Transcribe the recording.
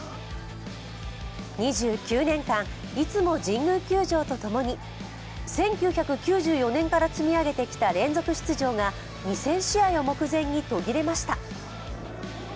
２９年間、いつも神宮球場とともに１９９４年から積み上げてきた連続出場が２０００試合を目前に途切れました。